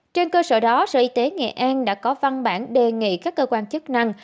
trên cơ sở đó sở y tế nghệ an đã có văn bản đề nghị các cơ quan chức năng